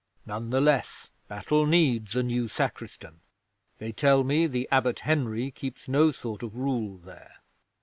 None the less Battle needs a new Sacristan. They tell me the Abbot Henry keeps no sort of rule there."